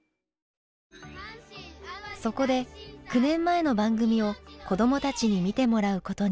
そこで９年前の番組を子どもたちに見てもらうことに。